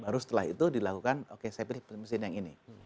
baru setelah itu dilakukan oke saya pilih mesin yang ini